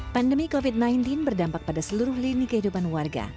pandemi covid sembilan belas berdampak pada seluruh lini kehidupan warga